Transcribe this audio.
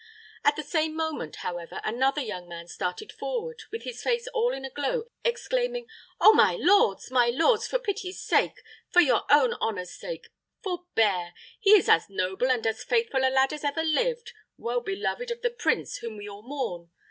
At the same moment, however, another young man started forward, with his face all in a glow, exclaiming, "Oh, my lords, my lords! for pity's sake, for your own honor's sake, forbear! He is as noble and as faithful a lad as ever lived well beloved of the prince whom we all mourn.